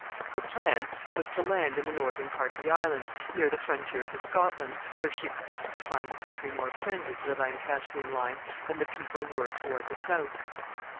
Her plan was to land in the northern part of the island, near the frontiers of Scotland, where she expected to find the country more friendly to the Lancastrian line than the people were toward the south.